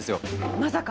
まさか。